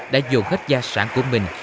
đã dồn hết gia sản của mình